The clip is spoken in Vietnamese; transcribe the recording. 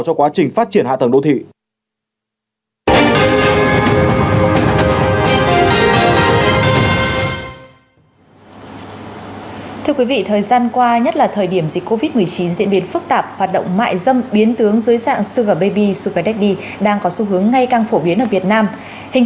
cho quá trình phát triển hạ tầng đô thị